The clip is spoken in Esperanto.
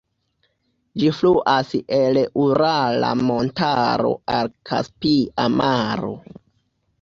Ĝi fluas el Urala montaro al Kaspia maro.